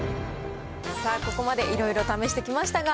さあ、ここまでいろいろ試してきましたが、